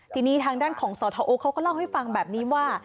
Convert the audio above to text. ทีนี้ทางด้านของสทโอ๊เขาก็เล่าให้ฟังแบบนี้ว่า